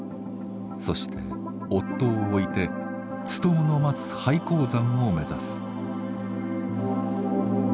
そして夫を置いてツトムの待つ廃鉱山を目指す。